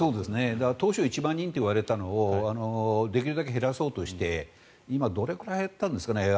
当初１万人といわれたのをできるだけ減らそうとして今、どれくらい減ったんですかね？